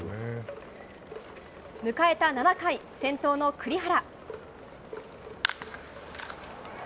迎えた７回、先頭の栗原。